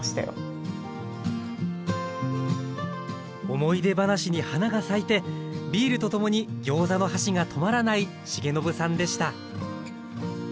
思い出話に花が咲いてビールと共にギョーザの箸が止まらない重信さんでした